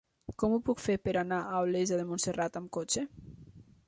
Com ho puc fer per anar a Olesa de Montserrat amb cotxe?